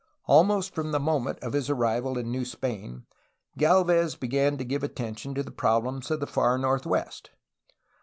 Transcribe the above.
Almost from the moment of his arrival in New Spain, Galvez began to give attention to the problems of the far northwest.